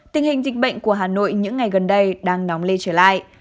tình hình dịch bệnh của hà nội những ngày gần đây đang nóng lên trở lại